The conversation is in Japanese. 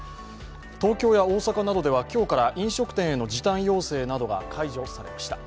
東京や大阪などでは今日から飲食店への時短要請などが解除されました。